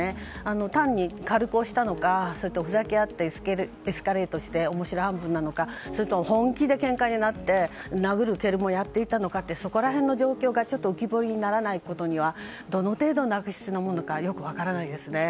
単に軽く押したのかそれともふざけ合ってエスカレートして面白半分なのかそれとも本気でけんかになって殴る蹴るもやっていたのかそこら辺の状況が浮き彫りにならないことにはどの程度の悪質なものかよく分からないですね。